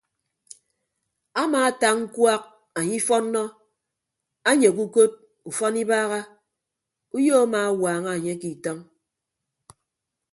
Amaata ñkuak anye ifọnnọ anyeghe ukod ufọn ibagha uyo amaawaaña anye ke itọñ.